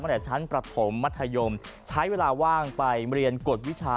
ตั้งแต่ชั้นประถมมัธยมใช้เวลาว่างไปเรียนกฎวิชา